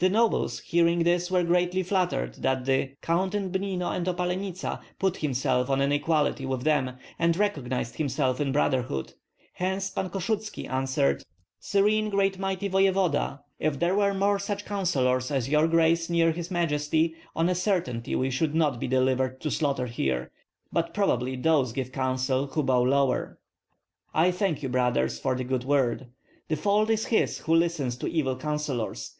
The nobles, hearing this, were greatly flattered that the "Count in Bnino and Opalenitsa" put himself on an equality with them, and recognized himself in brotherhood; hence Pan Koshutski answered, "Serene great mighty voevoda, if there were more such counsellors as your grace near his Majesty, of a certainty we should not be delivered to slaughter here; but probably those give counsel who bow lower." "I thank you, brothers, for the good word. The fault is his who listens to evil counsellors.